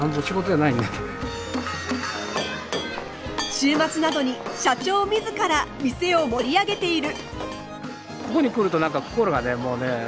週末などに社長自ら店を盛り上げている。